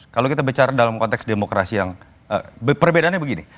kalau kita bicara dalam konteks demokrasi yang perbedaannya begini